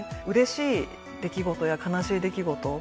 うれしい出来事や悲しい出来事